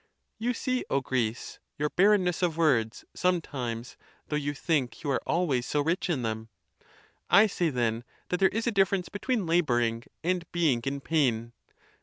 You see, O Greece! your barrenness of words, sometimes, though you think you are always so rich in them. [I say, then, that there is a difference between laboring and being in 78 THE TUSCULAN DISPUTATIONS. pain.